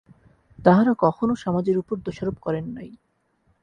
তাঁহারা কখনও সমাজের উপর দোষারোপ করেন নাই।